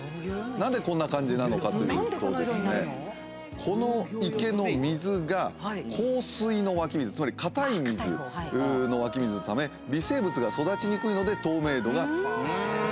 何でこんな感じなのかというとこの池の水が硬水の湧き水つまり硬い水の湧き水のため微生物が育ちにくいので透明度が高い。